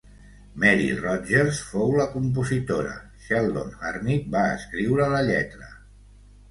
Mary Rodgers fou la compositora; Sheldon Harnick va escriure la lletra.